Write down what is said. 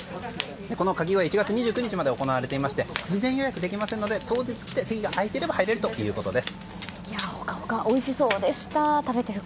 このカキ小屋１月２９日まで行われていまして事前予約できませんので当日来て席が空いていれば入れるということです。